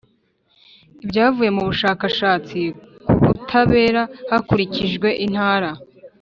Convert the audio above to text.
Ibyavuye mu bushakashatsi ku butabera hakurikijwe intara